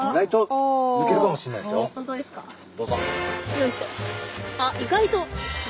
よいしょ。